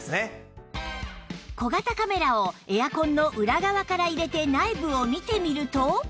小型カメラをエアコンの裏側から入れて内部を見てみると